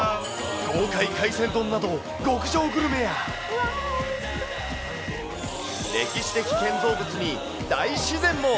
豪快海鮮丼など極上グルメや、歴史的建造物に大自然も。